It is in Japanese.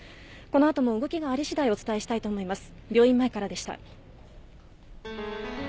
このあとも動きがありしだい、お伝えしたいと思います。